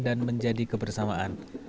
dan menjadi kebersamaan